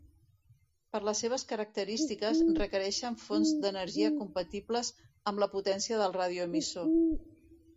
Per les seves característiques, requereixen fonts d'energia compatibles amb la potència del radioemissor.